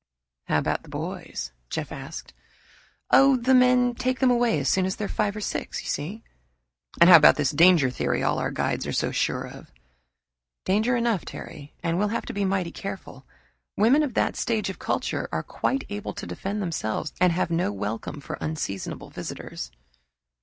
"How about the boys?" Jeff asked. "Oh, the men take them away as soon as they are five or six, you see." "And how about this danger theory all our guides were so sure of?" "Danger enough, Terry, and we'll have to be mighty careful. Women of that stage of culture are quite able to defend themselves and have no welcome for unseasonable visitors."